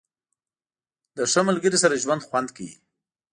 • له ښه ملګري سره ژوند خوند کوي.